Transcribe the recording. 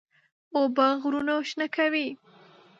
اوبه غرونه شنه کوي.